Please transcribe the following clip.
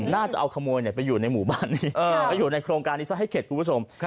น่าจะเอาขโมยไปอยู่ในหมู่บ้านนี้ไปอยู่ในโครงการนี้ซะให้เข็ดคุณผู้ชม